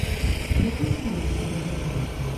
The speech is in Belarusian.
Як вы ставіцеся да гэтага?